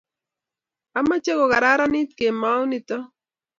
ameche kokararanit kemou nito